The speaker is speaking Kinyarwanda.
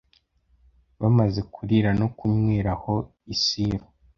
bamaze kurira no kunywera aho i silo